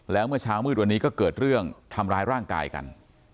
แล้วเมื่อเช้ามืดวันนี้ก็เกิดเรื่องทำร้ายร่างกายกัน